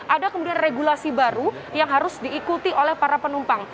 ada kemudian regulasi baru yang harus diikuti oleh para penumpang